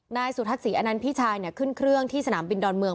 นายสุทัศน์ศรีอนันต์พี่ชายขึ้นเครื่องที่สนามบินดอนเมือง